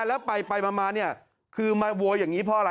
แล้วไปมาเนี่ยคือมาโวยอย่างนี้เพราะอะไร